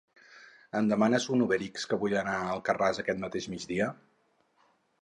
Em demanes un UberX que vull anar a Alcarràs aquest mateix migdia?